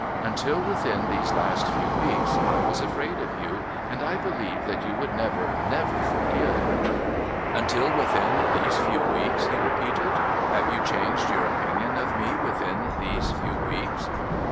Until within these few weeks I was afraid of you, and I believed that you would never, never forgive.' ' Until within these few weeks,' he repeated. ' Have you changed your opinion of me within these few weeks